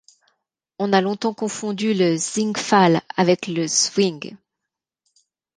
On a longtemps confondu le Sinkfal avec le Zwin.